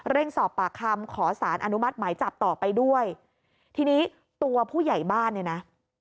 สอบปากคำขอสารอนุมัติหมายจับต่อไปด้วยทีนี้ตัวผู้ใหญ่บ้านเนี่ยนะ